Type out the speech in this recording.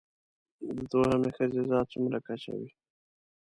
د دوهمې ښځې ذات څومره کچه وي